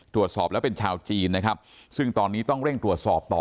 ตรวจสอบแล้วเป็นชาวจีนนะครับซึ่งตอนนี้ต้องเร่งตรวจสอบต่อ